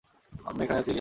আমি এখানেই আছি, ইলিয়াস।